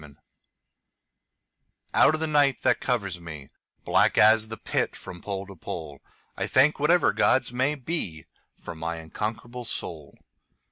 Invictus OUT of the night that covers me, Black as the Pit from pole to pole,I thank whatever gods may beFor my unconquerable soul.